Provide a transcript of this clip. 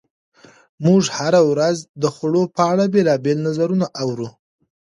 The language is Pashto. موږ هره ورځ د خوړو په اړه بېلابېل نظرونه اورو.